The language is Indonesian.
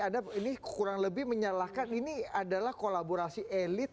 anda ini kurang lebih menyalahkan ini adalah kolaborasi elit